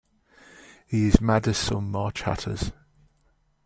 He is mad as some March hatters.